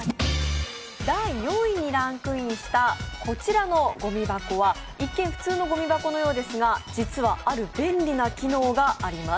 第４位にランクインしたこちらのごみ箱は、一見、普通のごみ箱のようですが実は、ある便利な機能があります。